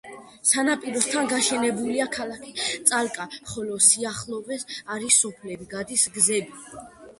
სანაპიროსთან გაშენებულია ქალაქი წალკა, ხოლო სიახლოვეს არის სოფლები, გადის გზები.